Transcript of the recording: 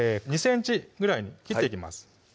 ２ｃｍぐらいに切っていきます